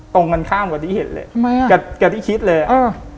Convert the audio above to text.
ตรงกันข้ามกว่าที่เห็นเลยที่คิดเลยอ่า